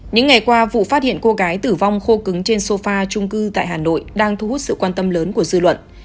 những ngày qua vụ phát hiện cô gái tử vong khô cứng trên sofa trung cư tại hà nội đang thu hút sự quan tâm lớn của dư luận